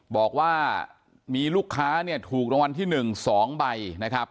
บอกว่ามีลูกค้าเนี่ยถูกรางวัลที่๑๒ใบนะครับ